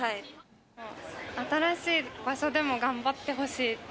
新しい場所でも頑張ってほしい。